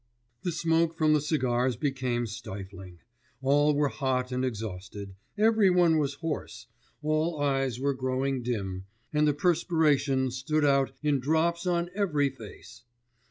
The smoke from the cigars became stifling; all were hot and exhausted, every one was hoarse, all eyes were growing dim, and the perspiration stood out in drops on every face.